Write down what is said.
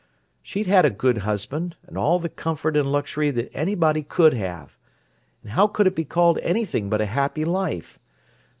She'd had a good husband, and all the comfort and luxury that anybody could have—and how could it be called anything but a happy life?